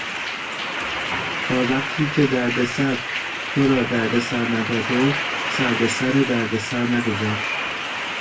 تا وقتی که دردسر تو را دردسر نداده سربهسر دردسر نگذار!